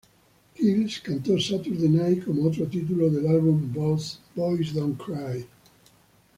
Kills cantó Saturday Night, como otro título del álbum Boy`s Don`t Cry.